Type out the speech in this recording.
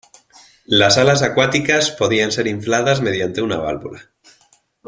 Las alas acuáticas podían ser infladas mediante una válvula.